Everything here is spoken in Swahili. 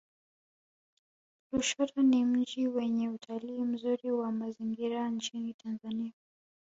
lushoto ni mji wenye utalii mzuri wa mazingira nchini tanzania